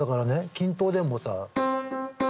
均等でもさ。